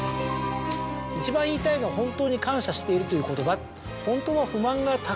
「一番言いたいのは本当に感謝しているという言葉？」。